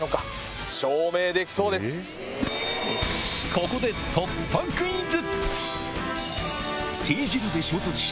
ここで突破クイズ！